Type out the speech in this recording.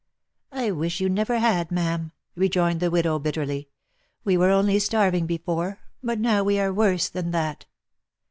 " I wish you never had, ma'am !" rejoined the widow, bitterly —" We were only starving before, but now we are worse than that."